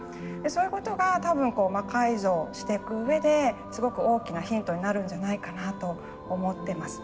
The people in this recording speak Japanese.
そういうことが多分魔改造してくうえですごく大きなヒントになるんじゃないかなと思ってます。